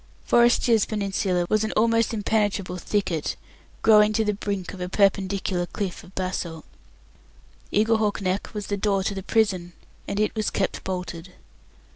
Forrestier's Peninsula was an almost impenetrable thicket, growing to the brink of a perpendicular cliff of basalt. Eaglehawk Neck was the door to the prison, and it was kept bolted.